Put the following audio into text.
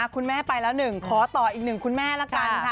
คุณแม่ไปแล้วหนึ่งขอต่ออีกหนึ่งคุณแม่ละกันค่ะ